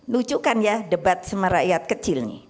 lucu kan ya debat sama rakyat kecilnya